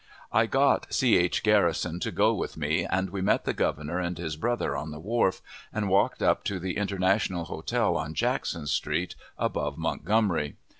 I got C. H. Garrison to go with me, and we met the Governor and his brother on the wharf, and walked up to the International Hotel on Jackson Street, above Montgomery.